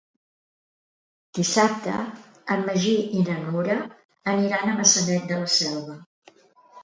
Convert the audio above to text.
Dissabte en Magí i na Nura aniran a Maçanet de la Selva.